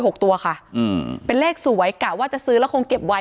หกตัวค่ะอืมเป็นเลขสวยกะว่าจะซื้อแล้วคงเก็บไว้